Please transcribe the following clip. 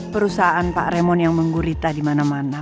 perusahaan pak remon yang menggurita di mana mana